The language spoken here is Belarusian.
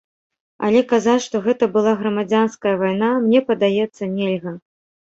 Але казаць, што гэта была грамадзянская вайна, мне падаецца, нельга.